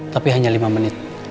tapi hanya lima menit